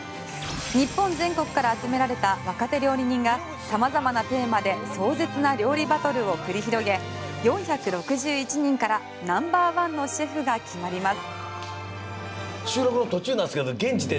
日本全国から集められた若手料理人が様々なテーマで壮絶な料理バトルを繰り広げ４６１人からナンバーワンのシェフが決まります。